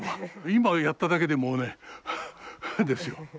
今やっただけでもうねハアハアですよ。